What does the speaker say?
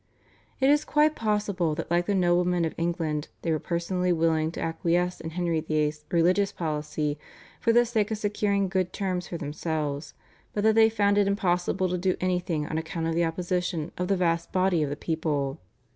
It is quite possible that like the noblemen of England they were personally willing to acquiesce in Henry VIII.'s religious policy for the sake of securing good terms for themselves, but that they found it impossible to do anything on account of the opposition of the vast body of the people.